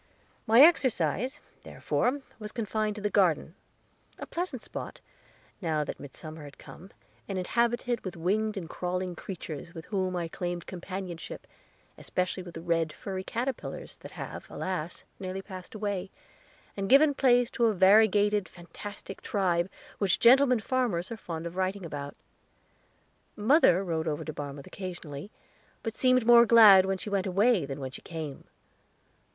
My exercise, therefore, was confined to the garden a pleasant spot, now that midsummer had come, and inhabited with winged and crawling creatures, with whom I claimed companionship, especially with the red, furry caterpillars, that have, alas, nearly passed away, and given place to a variegated, fantastic tribe, which gentleman farmers are fond of writing about. Mother rode over to Barmouth occasionally, but seemed more glad when she went away than when she came.